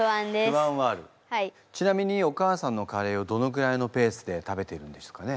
ちなみにお母さんのカレーをどのくらいのペースで食べてるんですかね？